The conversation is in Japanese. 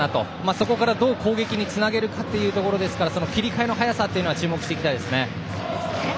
そこから、どう攻撃につなげられるかというところ切り替えの早さは注目していきたいですね。